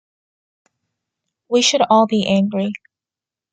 We should all be angry.